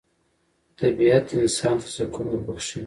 طبیعت انسان ته سکون وربخښي